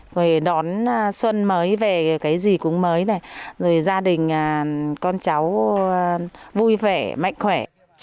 rồi đón xuân mới về cái gì cũng mới này rồi gia đình con cháu vui vẻ mạnh khỏe